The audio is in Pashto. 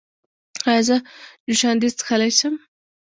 ایا زه جوشاندې څښلی شم؟